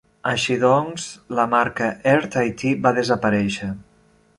Així doncs, la marca Air Tahiti va desaparèixer.